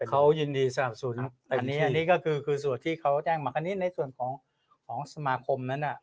เขายินดีสามารถสูญอันนี้ก็คือส่วนที่เขาแจ้งมาอันนี้ในส่วนของสมาคมนั้น